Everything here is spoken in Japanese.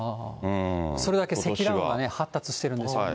それだけ積乱雲が発達してるんです。